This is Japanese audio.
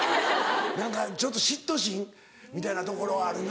何かちょっと嫉妬心みたいなところはあるな。